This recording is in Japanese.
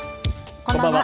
こんばんは。